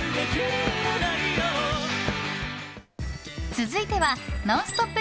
続いては「ノンストップ！」